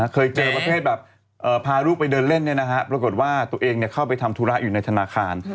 เคยเจอแบบนี้พารูกเดินเล่นนี้นะครับปรากฏว่าตัวเองเข้าไปทำธุราอยู่ในธนาคาร